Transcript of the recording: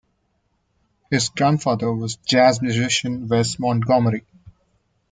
His grandfather was jazz musician Wes Montgomery.